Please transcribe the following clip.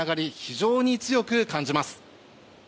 非常に強く感じます。